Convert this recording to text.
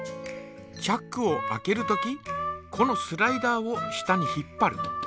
チャックを開けるときこのスライダーを下に引っぱる。